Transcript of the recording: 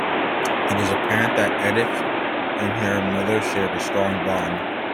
It is apparent that Edith and her mother shared a strong bond.